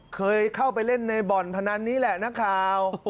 เคยเข้าไปเล่นในบ่อนพนันนี้แหละนักข่าว